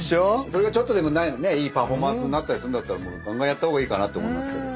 それがちょっとでもいいパフォーマンスになったりするんだったらガンガンやった方がいいかなって思いますけど。